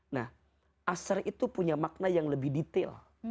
nah asar itu punya makna yang lebih detail